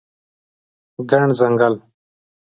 ګڼ ځنګل